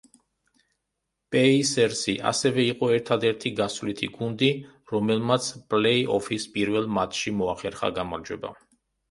პეისერსი ასევე იყო ერთადერთი გასვლითი გუნდი, რომელმაც პლეი-ოფის პირველ მატჩში მოახერხა გამარჯვება.